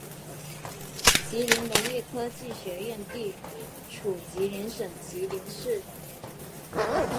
吉林农业科技学院地处吉林省吉林市。